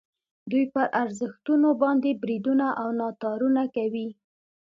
دوی پر ارزښتونو باندې بریدونه او ناتارونه کوي.